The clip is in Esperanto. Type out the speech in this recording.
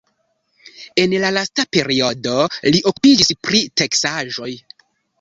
En la lasta periodo li okupiĝis pri teksaĵoj.